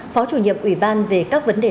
phó chủ nhiệm ủy ban về các vấn đề